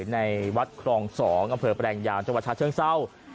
ในวัดครอง๒อำเภอแปลงยาวจังหวัดชาเชิงเศร้า